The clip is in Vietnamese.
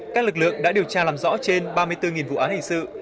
các lực lượng đã điều tra làm rõ trên ba mươi bốn vụ án hình sự